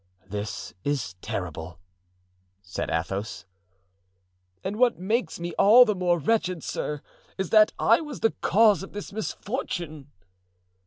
"This is terrible," said Athos. "And what makes me all the more wretched, sir, is, that I was the cause of this misfortune."